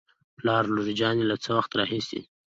پلار : لور جانې له څه وخت راهېسې